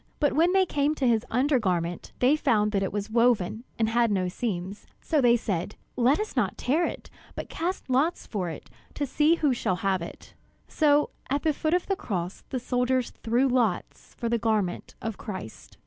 But when they came to his undergarment, they found that it was woven and had no seams; so they said, "Let us not tear it, but cast lots for it, to see who shall have it." So at the foot of the cross the soldiers threw lots for the garment of Christ.